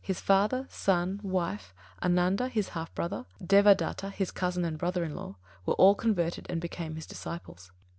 His father, son, wife, Ānanda (his half brother), Devadatta (his cousin and brother in law), were all converted and became his disciples.